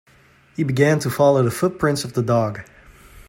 He began to follow the footprints of the dog.